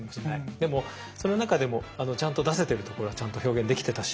でもその中でもちゃんと出せてるところはちゃんと表現できてたし。